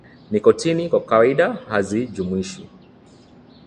nikotini kwa kawaida hazijumuishwi